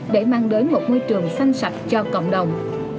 để mang đến một môi trường xanh sạch cho cộng đồng